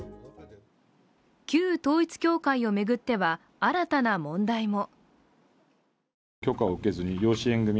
旧統一教会を巡っては、新たな問題も。